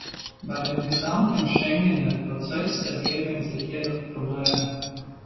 Bei dem gesamten Schengener Prozess ergeben sich jedoch Probleme.